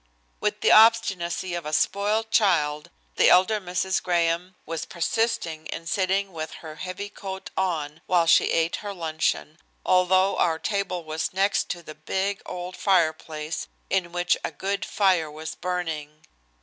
With the obstinacy of a spoiled child the elder Mrs. Graham was persisting in sitting with her heavy coat on while she ate her luncheon, although our table was next to the big, old fireplace, in which a good fire was burning.